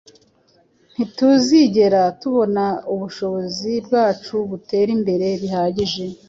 ntituzigera tubona ubushobozi bwacu butera imbere bihagije.